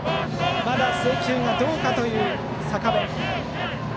まだ制球がどうかという坂部。